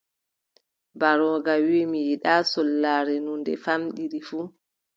Mbarooga wii: mi yiɗaa sollaare no nde famɗiri fuu!».